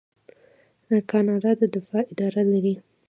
کاناډا د دفاع اداره لري.